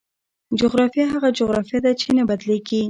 جغرافیه هغه جغرافیه ده چې نه بدلېږي.